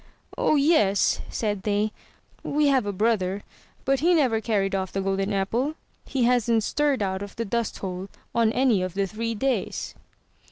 0h yes,'' said they, "we have a brother, but he never carried off the golden apple. He hasn't stirred out of the dust hole on any of the three days."